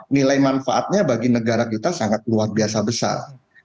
nilai manfaatnya bagi negara kita sangat luar biasa besar